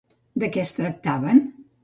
De què es tractaven?